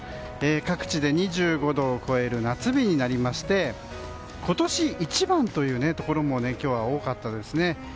各地で２５度を超える夏日になりまして今年一番というところも今日は多かったですね。